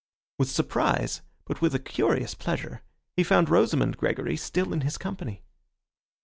With surprise, but with a curious pleasure, he found Rosamond Gregory still in his company.